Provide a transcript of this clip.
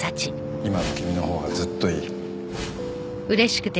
今の君のほうがずっといい。